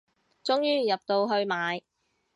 終於入到去買